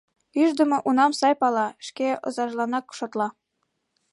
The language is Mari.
Ӱждымӧ унам сай пала, шке озажланак шотла.